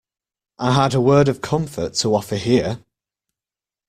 I had a word of comfort to offer here.